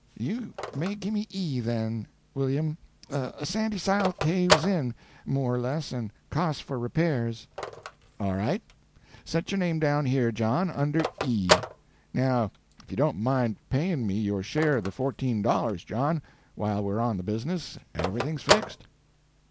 "You may gimme E, then; William; a sandy sile caves in, more or less, and costs for repairs." "All right, set your name down here, John, under E. Now, if you don't mind payin' me your share of the fourteen dollars, John, while we're on the business, everything's fixed."